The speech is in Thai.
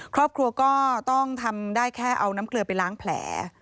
ครอบครัวก็ต้องทำได้แค่เอาน้ำเกลือไปล้างแผล